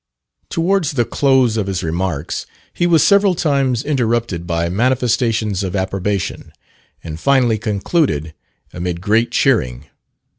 Towards the close of his remarks, he was several times interrupted by manifestations of approbation; and finally concluded amid great cheering.